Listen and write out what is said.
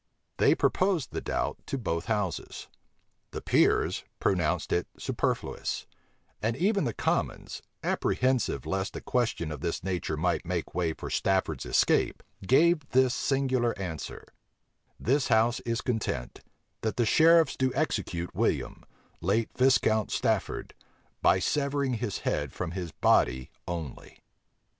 They proposed the doubt to both houses: the peers pronounced it superfluous; and even the commons, apprehensive lest a question of this nature might make way for Stafford's escape, gave this singular answer: "This house is content, that the sheriffs do execute William late Viscount Stafford by severing his head from his body only."